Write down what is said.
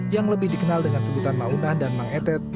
yang lebih dikenal dengan sebutan mauna dan mang etet